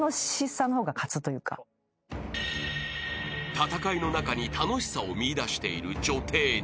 ［戦いの中に楽しさを見いだしている女帝に］